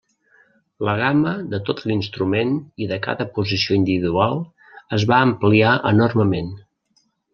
La gamma de tot l'instrument i de cada posició individual es va ampliar enormement.